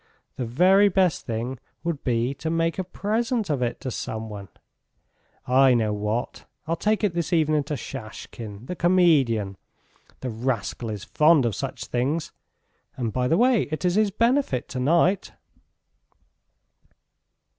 The very best thing would be to make a present of it to someone. ... I know what! I'll take it this evening to Shashkin, the comedian. The rascal is fond of such things, and by the way it is his benefit tonight."